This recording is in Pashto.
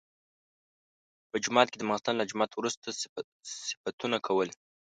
په جومات کې د ماخستن له جماعت وروسته صفتونه کول.